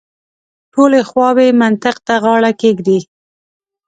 ټولې خواوې منطق ته غاړه کېږدي.